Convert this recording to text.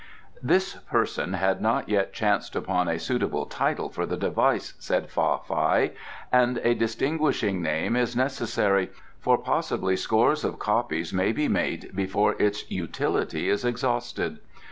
"This person had not yet chanced upon a suitable title for the device," said Fa Fai, "and a distinguishing name is necessary, for possibly scores of copies may be made before its utility is exhausted.